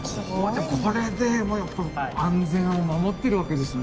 これでやっぱり安全を守ってるわけですもんね。